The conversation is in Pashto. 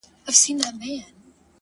خود به يې اغزی پرهر; پرهر جوړ کړي;